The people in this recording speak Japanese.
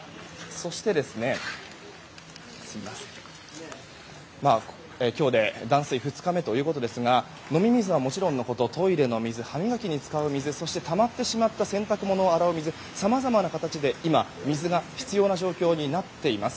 そして、今日で断水２日目ということですが飲み水はもちろんのことトイレの水、歯磨きに使う水そしてたまってしまった洗濯物を洗う水さまざまな形で水が必要な状況になっています。